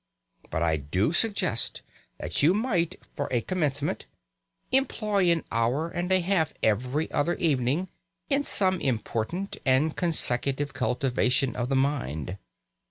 But I do suggest that you might, for a commencement, employ an hour and a half every other evening in some important and consecutive cultivation of the mind.